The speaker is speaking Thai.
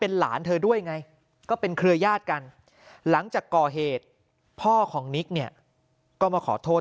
หลานเธอด้วยไงก็เป็นเครือญาติกันหลังจากก่อเหตุพ่อของนิกเนี่ยก็มาขอโทษ